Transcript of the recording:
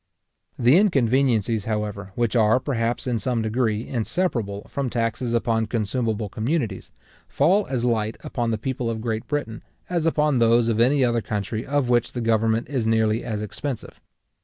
The inconveniencies, however, which are, perhaps, in some degree inseparable from taxes upon consumable communities, fall as light upon the people of Great Britain as upon those of any other country of which the government is nearly as expensive.